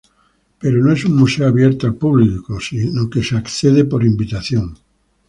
Pero no es un museo abierto al público sino que se accede por invitación.